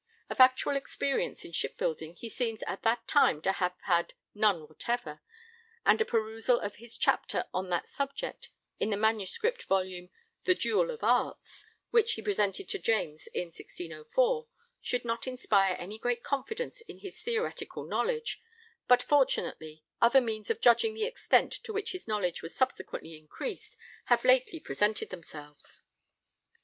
Of actual experience in shipbuilding he seems at that time to have had none whatever, and a perusal of his chapter on that subject in the manuscript volume 'The Jewell of Artes,' which he presented to James in 1604, would not inspire any great confidence in his theoretical knowledge, but fortunately other means of judging the extent to which this knowledge was subsequently increased have lately presented themselves.